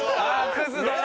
クズだな。